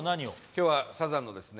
今日はサザンのですね